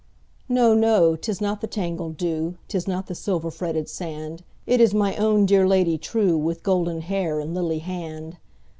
No! no! 'tis not the tangled dew,'Tis not the silver fretted sand, It is my own dear Lady trueWith golden hair and lily hand!